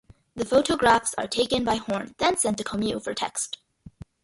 The photographs are taken by Horne, then sent to Comeau for text.